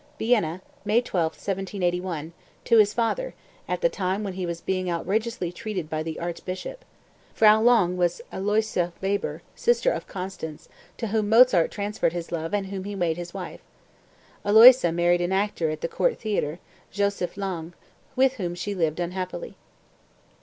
(Vienna, May 12, 1781, to his father, at the time when he was being outrageously treated by the Archbishop. Frau Lange was Aloysia Weber, sister of Constanze, to whom Mozart transferred his love and whom he made his wife. Aloysia married an actor at the Court Theatre, Josef Lange, with whom she lived unhappily.)